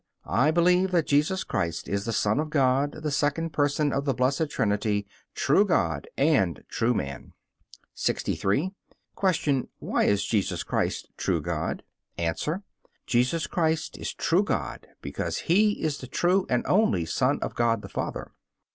I believe that Jesus Christ is the Son of God, the second Person of the Blessed Trinity, true God and true man. 63. Q. Why is Jesus Christ true God? A. Jesus Christ is true God because He is the true and only Son of God the Father.